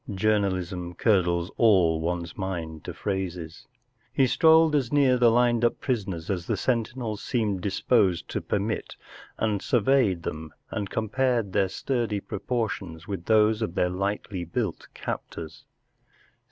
Journalism curdles all one's mind to phrases. He strolled as near ihe lined up prisoners as the sentinels seemed disposed to permit and surveyed them and com¬ pared their sturdy propor¬ tions with those of their lightly built captors.